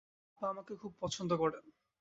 আপা আমাকে খুব পছন্দ করেন।